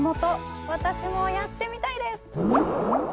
私もやってみたいです！